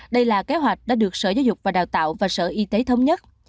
đây là kế hoạch đã được sở giáo dục và đào tạo và sở y tế thống nhất